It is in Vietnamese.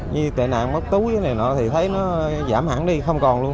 như tệ nạn mất túi thì thấy nó giảm hẳn đi không còn luôn